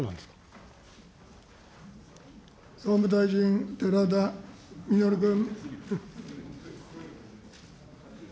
総務大臣、寺田稔君。